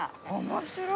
面白い。